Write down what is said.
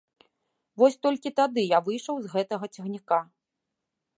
Вось толькі тады я выйшаў з гэтага цягніка.